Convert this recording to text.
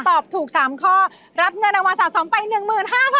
ตอบถูก๓ข้อรับเงินอาวาสาสมไป๑๕๐๐๐บาทค่ะ